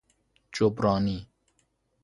جبرانی